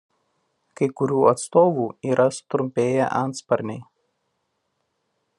Kai kurių atstovų yra sutrumpėję antsparniai.